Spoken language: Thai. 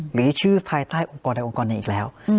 หรือที่ชื่อภายใต้องค์กรโดยองค์กรอีกแล้ว